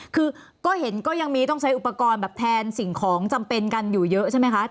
คือก็เห็นก็ยังมีต้องใช้อุปกรณ์แบบแทนสิ่งของจำเป็นกันอยู่เยอะใช่ไหมคะ